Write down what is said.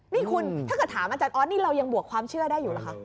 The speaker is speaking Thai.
นี่คุณถ้าเกิดถามอาจารย์ออสนี่เรายังบวกความเชื่อได้อยู่หรือคะ